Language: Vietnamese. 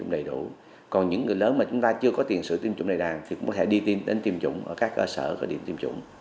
để có những kế hoạch tiêm bù tiêm bổ sung